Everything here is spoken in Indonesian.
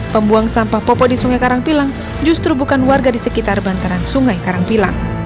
pembuang sampah popok di sungai karangpilang justru bukan warga di sekitar bantaran sungai karangpilang